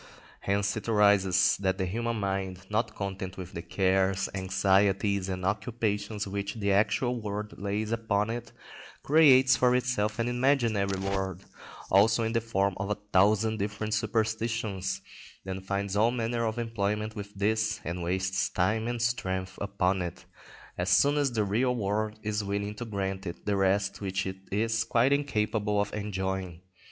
Hence it arises that the human mind, not content with the cares, anxieties, and occupations which the actual world lays upon it, creates for itself an imaginary world also in the form of a thousand different superstitions, then finds all manner of employment with this, and wastes time and strength upon it, as soon as the real world is willing to grant it the rest which it is quite incapable of enjoying.